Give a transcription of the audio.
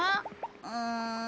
うん。